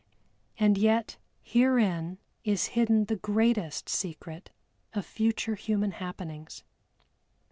And yet herein is hidden the greatest secret of future human happenings.